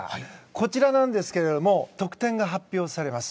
こちらなんですけど得点が発表されます。